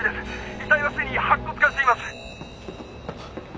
「遺体はすでに白骨化しています」